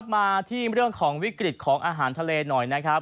มาที่เรื่องของวิกฤตของอาหารทะเลหน่อยนะครับ